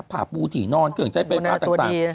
ผ่าปูถี่นอนก็ยังใช้เป็นผ้าต่าง